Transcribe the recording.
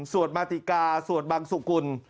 สวดมาติกาสวดบังสุกุล